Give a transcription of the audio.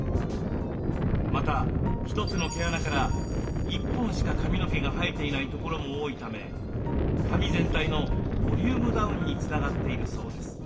また一つの毛穴から１本しか髪の毛が生えていないところも多いため髪全体のボリュームダウンにつながっているそうです。